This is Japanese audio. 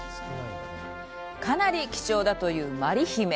かなり貴重だというまりひめ。